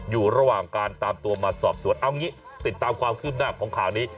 อยู่ระหว่างการตามตัวมาสอบสวนเอางี้ติดตามความคืบหน้าของข่าวนี้